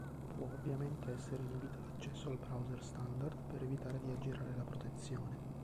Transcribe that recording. Può ovviamente essere inibito l'accesso al browser standard per evitare di aggirare la protezione.